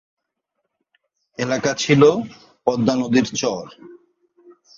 এলাকা ছিল পদ্মা নদীর চর।